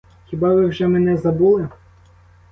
Хіба ви вже мене забули?